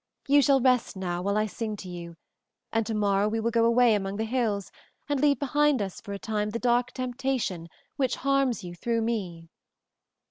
You shall rest now while I sing to you, and tomorrow we will go away among the hills and leave behind us for a time the dark temptation which harms you through me."